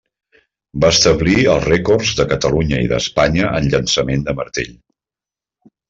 Va establir els rècords de Catalunya i d'Espanya en llançament de martell.